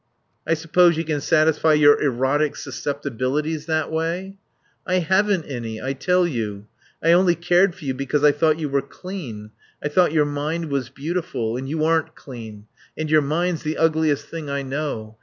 "I suppose you can satisfy your erotic susceptibilities that way." "I haven't any, I tell you. I only cared for you because I thought you were clean. I thought your mind was beautiful. And you aren't clean. And your mind's the ugliest thing I know.